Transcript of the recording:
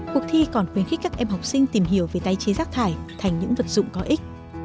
cuộc thi còn khuyến khích các em học sinh tìm hiểu về tái chế rác thải thành những vật dụng có ích